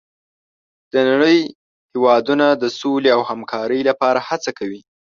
د نړۍ هېوادونه د سولې او همکارۍ لپاره هڅه کوي.